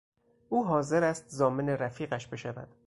او حاضر است ضامن رفیقش بشود.